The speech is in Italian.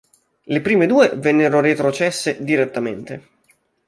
Le prime due vennero retrocesse direttamente.